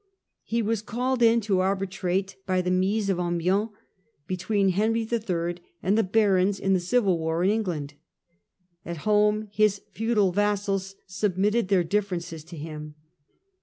He was called in to arbitrate by the Mise of Amiens be tween Henry III. and the barons in the civil war in England. At home his feudal vassals submitted their differences to him.